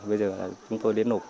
bây giờ chúng tôi đến nổ